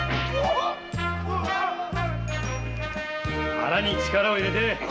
腹に力を入れて！